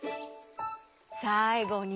さいごに？